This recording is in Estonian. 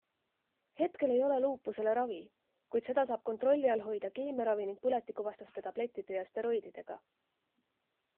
Hetkel ei ole luupusele ravi, kuid seda saab kontrolli all hoida keemiaravi ning põletikuvastaste tablettide ja steroididega.